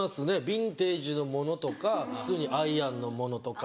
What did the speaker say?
ビンテージのものとか普通にアイアンのものとか。